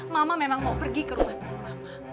mama memang mau pergi ke rumah mama